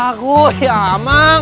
aku ya emang